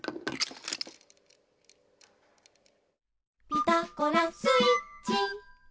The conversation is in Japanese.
「ピタゴラスイッチ」